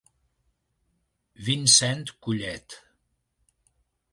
Vincent Collet.